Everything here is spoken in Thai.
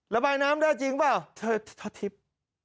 ระบายน้ำได้จริงหรือเปล่าท่อทิพย์